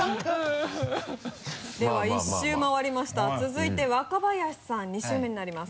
では１周回りました続いて若林さん２周目になります